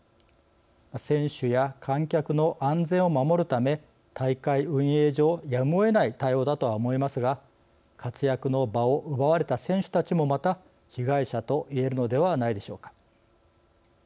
選手や観客の安全を守るため大会運営上やむをえない対応だと思いますが活躍の場を奪われた選手たちもまた被害者と言えるのではないでしょうか。